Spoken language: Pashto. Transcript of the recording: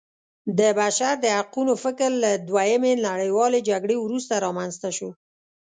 د بشر د حقونو فکر له دویمې نړیوالې جګړې وروسته رامنځته شو.